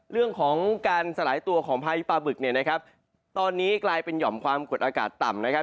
เรื่องของการสลายตัวของพายุปลาบึกเนี่ยนะครับตอนนี้กลายเป็นหย่อมความกดอากาศต่ำนะครับ